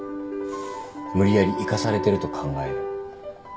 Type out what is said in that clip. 無理やり行かされてると考える。